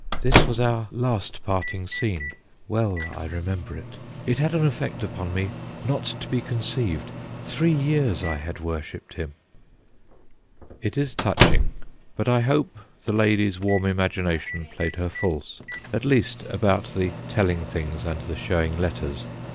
This was our last parting scene well I remember it. It had an effect upon me not to be conceived three years I had worshipped him.' It is touching, but I hope the lady's warm imagination played her false at least about the telling things and the showing letters.